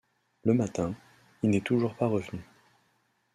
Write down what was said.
Le matin, il n’est toujours pas revenu.